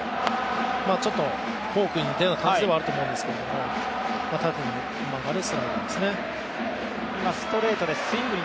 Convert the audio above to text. ちょっとフォークに似たような感じではあると思うんですけど縦に曲がるスライダーですね。